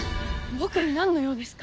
僕になんの用ですか？